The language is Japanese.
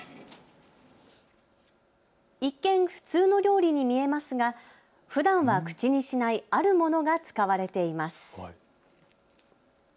一見、普通の料理に見えますがふだんは口にしないあるものが使われています。